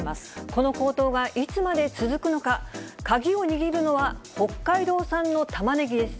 この高騰はいつまで続くのか、鍵を握るのは北海道産のたまねぎです。